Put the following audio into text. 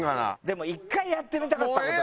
でも１回やってみたかった事。